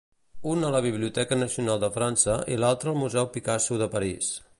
Un a la Biblioteca Nacional de França i l'altre al Museu Picasso de París.